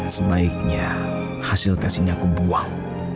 sebaiknya hasil tes ini aku buang